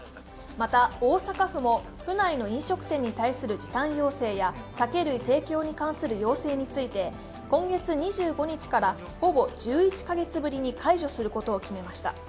また、大阪府も府内の飲食店に対する時短要請や酒類提供に関する要請について、今月２５日からほぼ１１カ月ぶりに解除することを決めました。